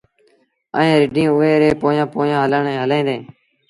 ائيٚݩٚ رڍينٚ اُئي ري پويآنٚ پويآنٚ هلينٚ دينٚ